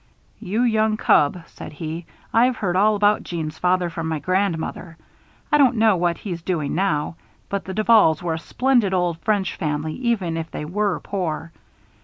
"You young cub," said he, "I've heard all about Jeanne's father from my grandmother. I don't know what he's doing now, but the Duvals were a splendid old French family even if they were poor.